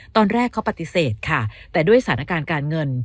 ตอนแรกเขาปฏิเสธค่ะแต่ด้วยสถานการณ์การเงิน